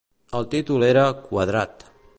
El títol era "Quadrat".